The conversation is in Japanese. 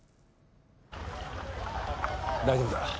大丈夫だ。